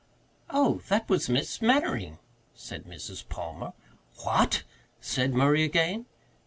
"Oh, that was Miss Mannering," said Mrs. Palmer. "What?" said Murray again.